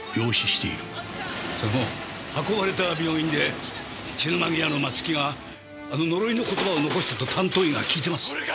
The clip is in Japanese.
それも運ばれた病院で死ぬ間際の松木があの呪いの言葉を残したと担当医が聞いています。